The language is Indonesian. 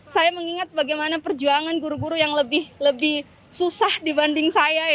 saya mengingat bagaimana perjuangan guru guru yang lebih susah dibanding saya